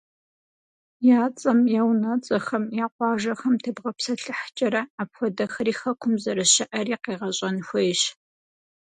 Я цӏэм, я унэцӏэхэм, я къуажэхэм тебгъэпсэлъыхькӏэрэ, апхуэдэхэри Хэкум зэрыщыӏэри къегъэщӏэн хуейщ.